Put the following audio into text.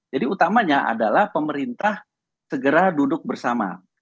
jadi utamanya adalah pemerintah segera duduk bersama